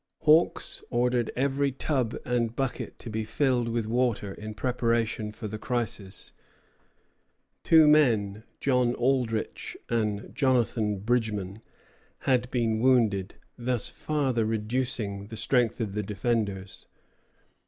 Hawks ordered every tub and bucket to be filled with water, in preparation for the crisis. Two men, John Aldrich and Jonathan Bridgman, had been wounded, thus farther reducing the strength of the defenders.